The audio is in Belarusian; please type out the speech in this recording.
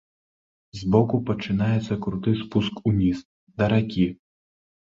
Збоку пачынаецца круты спуск уніз, да ракі.